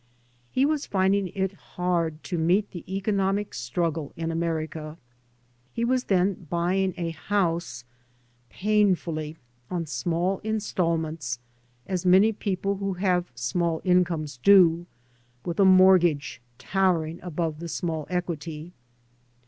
He was finding it hard to meet the eco nomic struggle in America. He was then buying a house, painfully, on small instal ments, as many people who have small in comes do, with a mortgage towering above the small equity.